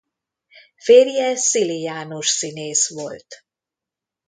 Férje Szili János színész volt.